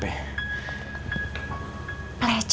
pelecehan pak maksudnya